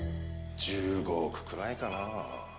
１５億くらいかなあ。